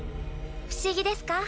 不思議ですか？